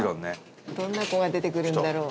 賀来：どんな子が出てくるんだろう？